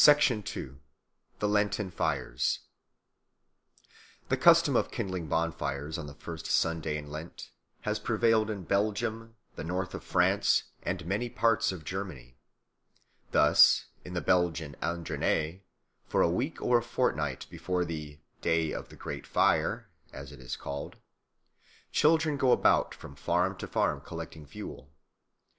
The Lenten Fires THE CUSTOM of kindling bonfires on the first Sunday in Lent has prevailed in Belgium, the north of France, and many parts of Germany. Thus in the Belgian Ardennes for a week or a fortnight before the "day of the great fire," as it is called, children go about from farm to farm collecting fuel.